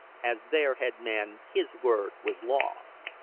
As their head man his word was law.